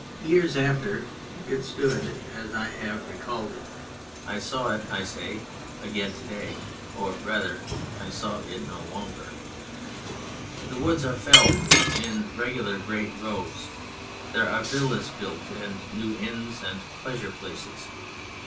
Years after it stood as I have recalled it. I saw it (I say) again to day or rather, I saw it no longer. The woods are felled in regular great roads. There are villas built and new inns, and pleasure places.